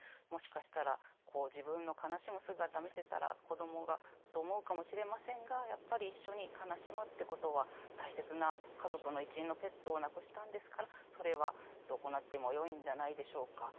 もしかしたら自分の悲しむ姿を見せたら子どもがと思うかもしれませんがやっぱり一緒に悲しむってことは大切な家族の一員のペットを亡くしたんですからそれは行ってもよいんじゃないでしょうか。